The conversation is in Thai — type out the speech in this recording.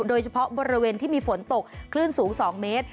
โดยเฉพาะบริเวณที่มีฝนตกคลื่นสูง๒เมตร